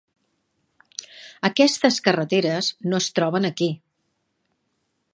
Aquestes carreteres no es troben aquí.